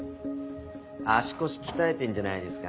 足腰鍛えてんじゃないですか？